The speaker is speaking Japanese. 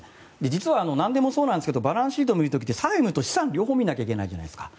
実はなんでもそうですがバランスシートを見る時って債務と資産の両方を見ないといけないじゃないですか。